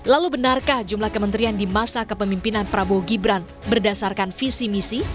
lalu benarkah jumlah kementerian di masa kepemimpinan prabowo gibran berdasarkan visi misi